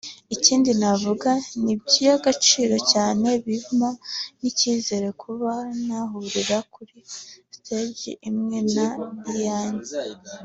ikindi navuga ni iby’agaciro cyane bimpa n’icyizere kuba nahurira kuri stage imwe na Iyanya